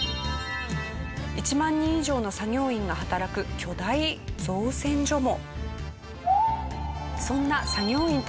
１万人以上の作業員が働く巨大造船所も。